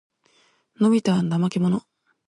のびたは怠けもの。